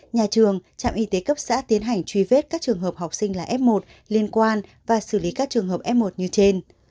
nhà trường trạm y tế cấp xã tiến hành truy vết các trường hợp học sinh là f một liên quan và xử lý các trường hợp f một như trên